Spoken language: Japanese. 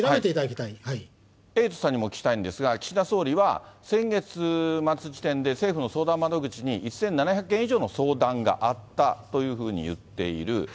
エイトさんにもお聞きしたいんですが、岸田総理は、先月末時点で、政府の相談窓口に１７００件以上の相談があったというふうに言っている。